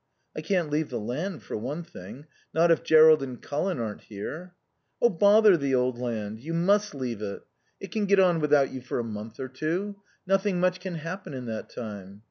"I can't leave the land for one thing. Not if Jerrold and Colin aren't here." "Oh, bother the old land! You must leave it. It can get on without you for a month or two. Nothing much can happen in that time."